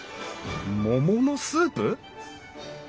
桃のスープ！？